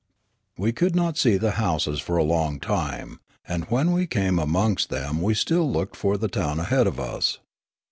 We could not see the houses for a long time ; and when we came amongst them we still looked for the town ahead of us.